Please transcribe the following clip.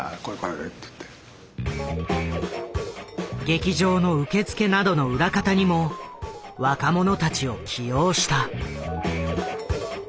劇場の受付などの裏方にも若者たちを起用した。